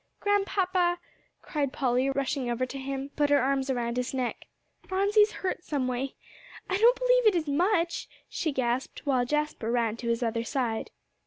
"Grandpapa," cried Polly, rushing over to him to put her arms around his neck, "Phronsie is hurt someway. I don't believe it is much," she gasped, while Jasper ran to his other side.